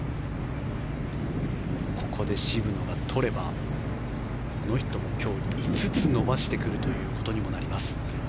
ここで渋野が取ればこの人も今日、５つ伸ばしてくるということになります。